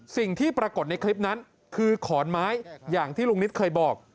สิ่งที่ปรากฏในคลิปนั้นคือขอนไม้อย่างที่ลุงนิตเคยบอก